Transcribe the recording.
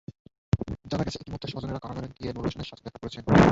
জানা গেছে, ইতিমধ্যে স্বজনেরা কারাগারে গিয়ে নূর হোসেনের সঙ্গে দেখাও করেছেন।